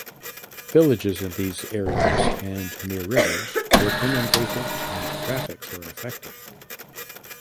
Villages in these areas and near rivers were inundated and traffics were affected.